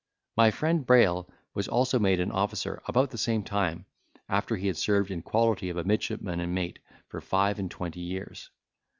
My friend Brayl was also made an officer about the same time, after he had served in quality of a midshipman and mate for five and twenty years.